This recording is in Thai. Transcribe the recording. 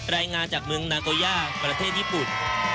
รายงานจากเมืองนาโกย่าประเทศญี่ปุ่น